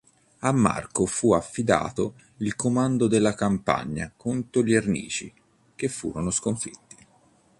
A Marco fu affidato il comando della campagna contro gli Ernici, che furono sconfitti.